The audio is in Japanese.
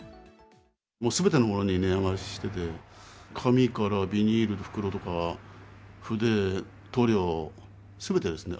もうすべてのものが値上がりしてて、紙からビニール袋とか、筆、塗料、すべてですね。